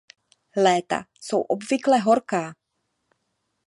Léta jsou obvykle horká.